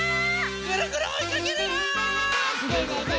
ぐるぐるおいかけるよ！